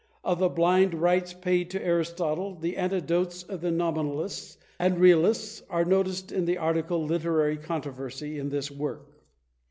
Of the blind rites paid to Aristotle, the anecdotes of the Nominalists and Realists are noticed in the article "Literary Controversy" in this work.